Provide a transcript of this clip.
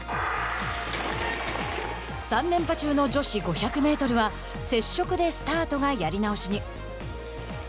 ３連覇中の女子５００メートルは接触でスタートがやり直しに。